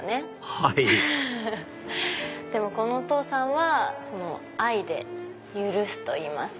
はいでもこのお父さんは愛で許すといいますか。